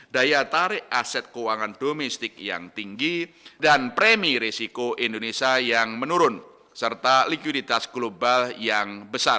daya tarik aset keuangan domestik yang tinggi dan premi risiko indonesia yang menurun serta likuiditas global yang besar